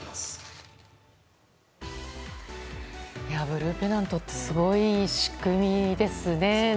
ブルーペナントってすごい仕組みですね。